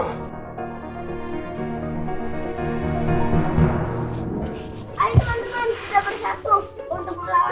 ayo teman teman sudah bersatu